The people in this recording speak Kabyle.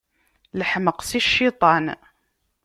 Leḥmeq, si cciṭan.